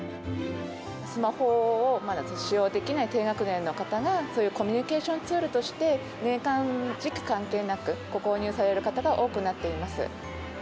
スマホをまだ使用できない低学年の方が、そういうコミュニケーションツールとして、年間、時期関係なく、ご購入される方が多くなっています。